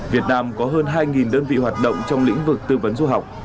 việt nam có hơn hai đơn vị hoạt động trong lĩnh vực tư vấn du học